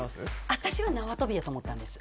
私は縄跳びやと思ったんです